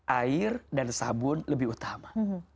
air dan sabun lebih utama